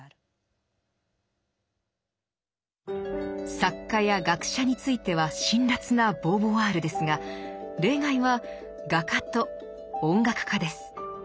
作家や学者については辛辣なボーヴォワールですが例外は画家と音楽家です。